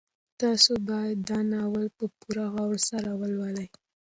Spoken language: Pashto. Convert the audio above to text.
تاسو باید دا ناول په پوره غور سره ولولئ.